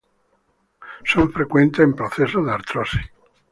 Son frecuentes en procesos de artrosis.